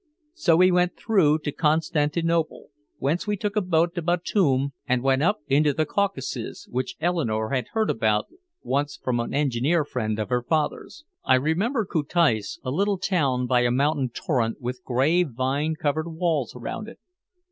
So we went through to Constantinople, whence we took a boat to Batoum and went up into the Caucasus, which Eleanore had heard about once from an engineer friend of her father's. I remember Koutais, a little town by a mountain torrent with gray vine covered walls around it.